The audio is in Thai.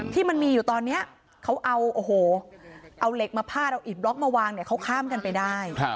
ที่มันมีอยู่ตอนนี้เขาเอาเหล็กมาพาดเอาอิดบล็อกมาวางเนี่ยเขาข้ามกันไปได้